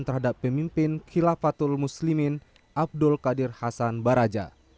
terhadap pemimpin khilafatul muslimin abdul qadir hasan baraja